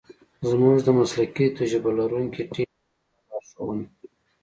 زمونږ د مسلکي تجربه لرونکی تیم لخوا لارښونه